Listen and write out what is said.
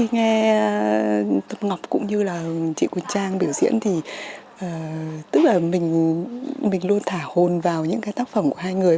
nghe ngọc cũng như là chị quỳnh trang biểu diễn thì tức là mình luôn thả hồn vào những cái tác phẩm của hai người